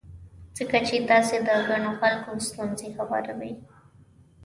ځکه چې تاسې د ګڼو خلکو ستونزې هوارې کړې دي.